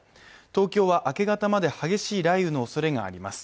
東京は明け方まで激しい雷雨のおそれがあります。